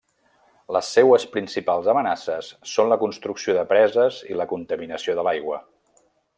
Les seues principals amenaces són la construcció de preses i la contaminació de l'aigua.